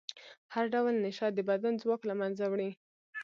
هر ډول نشه د بدن ځواک له منځه وړي.